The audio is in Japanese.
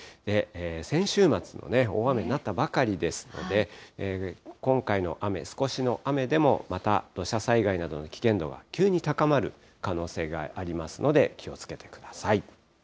先週末も大雨になったばかりですので、今回の雨、少しの雨でもまた土砂災害などの危険度が急に高まる可能性がありますので、気をつけてください。